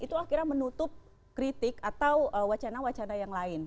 itu akhirnya menutup kritik atau wacana wacana yang lain